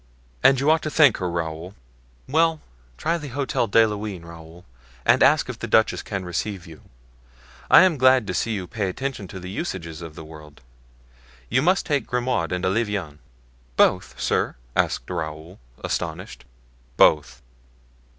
"And you ought to thank her, Raoul. Well, try the Hotel de Luynes, Raoul, and ask if the duchess can receive you. I am glad to see you pay attention to the usages of the world. You must take Grimaud and Olivain." "Both, sir?" asked Raoul, astonished. "Both."